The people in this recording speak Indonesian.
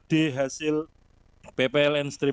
atau hewan tanpa ket instead